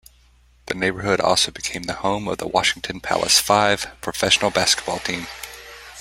The neighborhood also became the home of the Washington Palace Five professional basketball team.